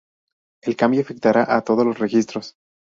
El cambio afectará a todos los registros.